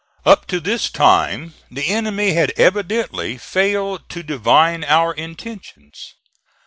Up to this time the enemy had evidently failed to divine our intentions.